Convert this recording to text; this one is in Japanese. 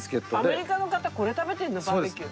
アメリカの方これ食べてるんだバーベキュー。